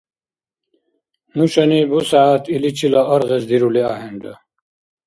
Нушани бусягӀят иличила аргъес дирули ахӀенра.